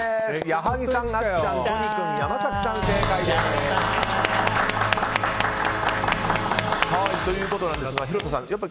矢作さん、あっちゃん、都仁君山崎さん、正解です！ということですが、廣田さん